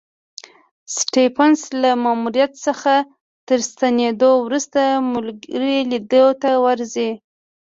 سټېفنس له ماموریت څخه تر ستنېدو وروسته ملګري لیدو ته ورځي.